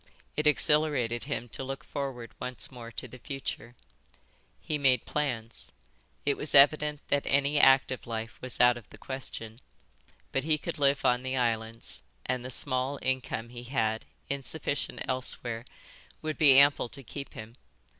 It exhilarated him to look forward once more to the future. He made plans. It was evident that any active life was out of the question, but he could live on the islands, and the small income he had, insufficient elsewhere, would be ample to keep him.